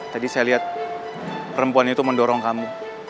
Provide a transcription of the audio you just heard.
tadi saya lihat perempuan itu mendorong kamu